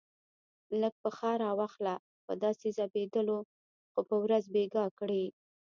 لږ پښه را واخله، په داسې ځبېدلو خو به ورځ بېګا کړې.